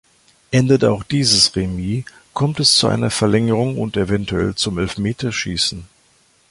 Endet auch dieses Remis, kommt es zu einer Verlängerung und eventuell zum Elfmeterschießen.